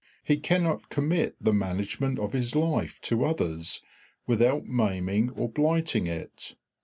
He cannot commit the management of his life to others without maiming or blighting it.